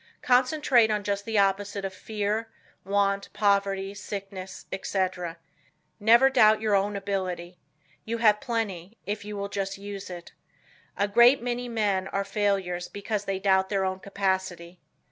Concentrate on just the opposite of fear, want, poverty, sickness, etc. Never doubt your own ability. You have plenty, if you will just use it. A great many men are failures because they doubt their own capacity.